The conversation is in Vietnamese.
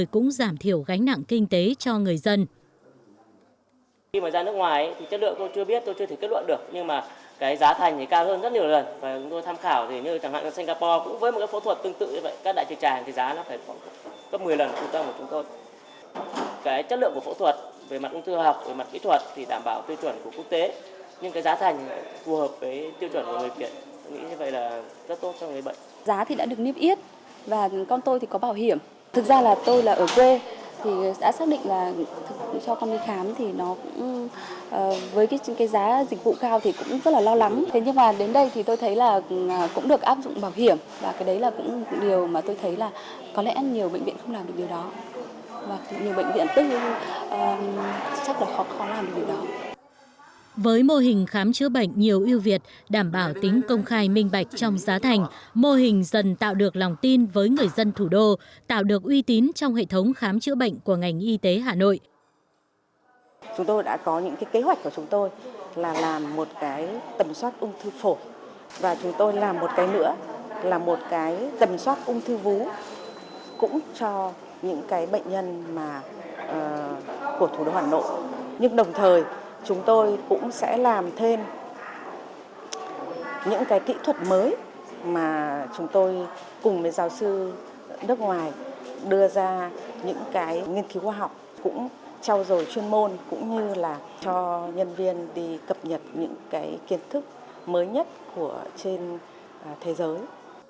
cũng trao dồi chuyên môn cũng như là cho nhân viên đi cập nhật những cái kiến thức mới nhất của trên thế giới